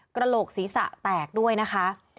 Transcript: กระโหลกศีรษะแตกด้วยนะคะ